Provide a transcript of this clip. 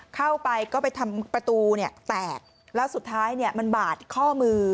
เข้าไปก็ไปทำประตูเนี่ยแตกแล้วสุดท้ายเนี่ยมันบาดข้อมือ